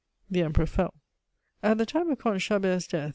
The Emperor fell. At the time of Comte Chabert's death, M.